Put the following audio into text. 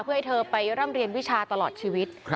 เพื่อให้เธอไปร่ำเรียนวิชาตลอดชีวิต